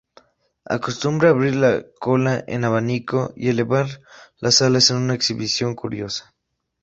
Acostumbra abrir la cola en abanico y elevar las alas en una exhibición curiosa.